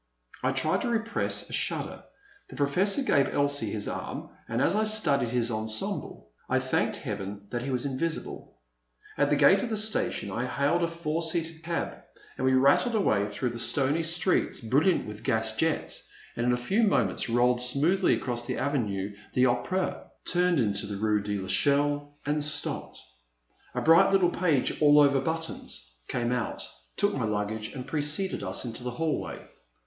I tried to repress a shudder. The Professor gave Elsie his arm and, as I studied his ensemble, I thanked Heaven that he was invisible. At the gate of the station I hailed a four seated cab, and we rattled away through the stony streets, brilliant with gas jets, and in a few mo ments rolled smoothly across the Avenue de rOpera, turned into the rue de TEchelle, and stopped. A bright little page, all over buttons, came out, took my luggage, and preceded us into the hallway.